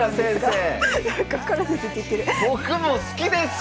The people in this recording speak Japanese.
僕も好きです！